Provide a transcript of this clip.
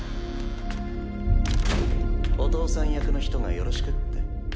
お父さん役の人がよろしくって。